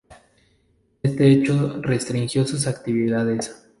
Este hecho restringió sus actividades.